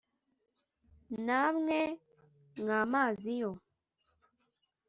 Namwe mwa mazi yo